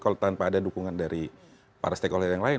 kalau tanpa ada dukungan dari para stakeholder yang lain